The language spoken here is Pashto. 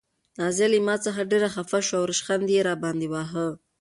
نازیه له ما څخه ډېره خفه شوه او ریشخند یې راباندې واهه.